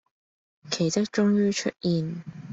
奇蹟終於出現